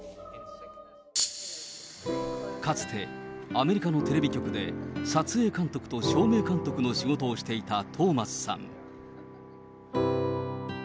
かつて、アメリカのテレビ局で、撮影監督と照明監督の仕事をしていたトーマスさん。